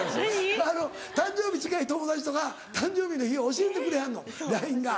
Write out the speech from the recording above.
誕生日近い友達とか誕生日の日教えてくれはんのＬＩＮＥが。